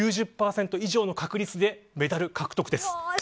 ９０％以上の確率でメダル獲得です。